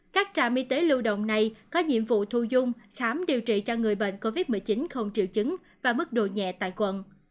các trạm y tế lưu động này có nhiệm vụ thu dung khám điều trị cho người bệnh covid một mươi chín không triệu chứng và mức độ nhẹ tại quận